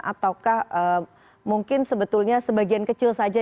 ataukah mungkin sebetulnya sebagian kecil saja